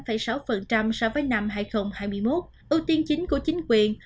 các bộ giao thông của trung quốc cho biết ưu tiên chính của chính quyền